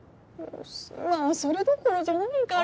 今はそれどころじゃないから！